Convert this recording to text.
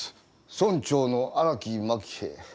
村長の荒木真喜平。